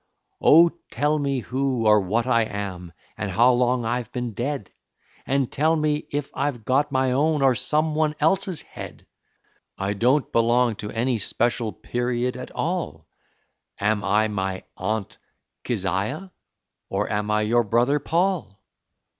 Oh, tell me who or what I am, and how long I've been dead; And tell me if I've got my own or some one else's head; I don't belong to any special period at all. Am I my Aunt Kiziah, or am I your brother Paul?